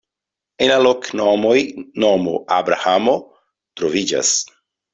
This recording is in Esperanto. En la loknomoj nomo Abrahamo troviĝas.